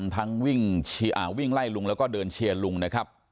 ทั้งวิ่งไล่ลุงแล้วก็เดินเชียร์ลุงนะครับ